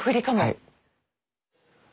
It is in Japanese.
はい。